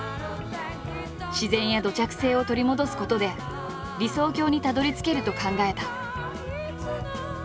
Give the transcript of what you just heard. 自然や土着性を取り戻すことで理想郷にたどりつけると考えた。